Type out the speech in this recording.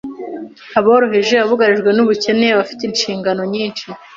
Aboroheje, abugarijwe n’ubukene, abafite inshingano nyinshi,